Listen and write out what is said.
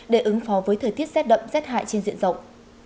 để ứng phó với thời tiết rét đậm rét hại trên diện rộng